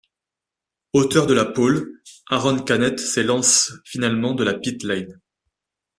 Auteur de la pôle, Arón Canet s'élance finalement de la pit lane.